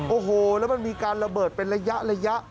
โอ้โหแล้วมันมีการระเบิดเป็นระยะ